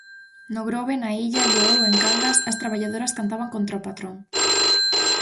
No Grove, na Illa, en Bueu, en Cangas, as traballadoras cantaban contra o patrón.